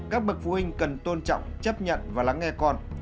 các bậc phụ huynh cần tôn trọng chấp nhận và lắng nghe con